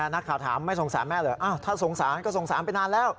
นักข่าวถามไม่สงสารแม่เหรอถ้าสงสารก็สงสารไปนานแล้ว